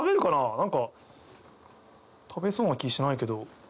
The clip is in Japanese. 何か食べそうな気しないけど。